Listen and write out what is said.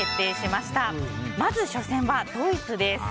まず初戦はドイツです。